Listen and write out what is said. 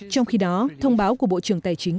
trong khi đó thông báo của bộ trưởng tài chính